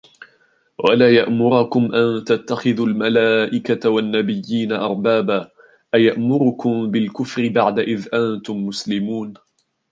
وَلَا يَأْمُرَكُمْ أَنْ تَتَّخِذُوا الْمَلَائِكَةَ وَالنَّبِيِّينَ أَرْبَابًا أَيَأْمُرُكُمْ بِالْكُفْرِ بَعْدَ إِذْ أَنْتُمْ مُسْلِمُونَ